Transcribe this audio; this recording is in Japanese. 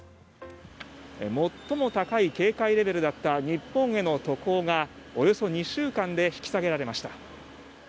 最も高い警戒レベルだった日本への渡航が、およそ２週間で引き下げられました。